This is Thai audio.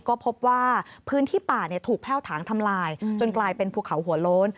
ก็พบว่าพื้นที่ป่าถูกแพ่วถางทำลายจนกลายเป็นภูเขาหัวโล้น